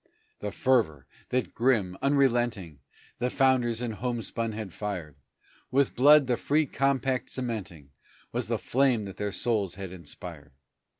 The fervor that grim, unrelenting, The founders in homespun had fired, With blood the free compact cementing, Was the flame that their souls had inspired.